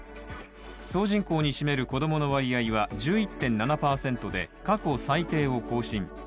総人口に占める子供の割合は１１．７％で過去最低を更新。